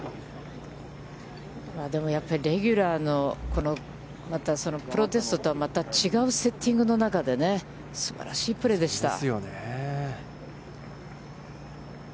でも、やっぱりレギュラーの、プロテストとはまた違うセッティングの中でね、すばらしいプレーでした。